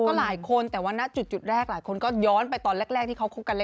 ก็หลายคนแต่ว่าณจุดแรกหลายคนก็ย้อนไปตอนแรกที่เขาคบกันแรก